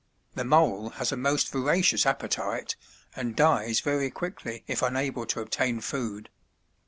The mole has a most voracious appetite and dies very quickly if unable to obtain food.